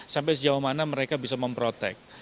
sampai sejauh mana mereka bisa memprotek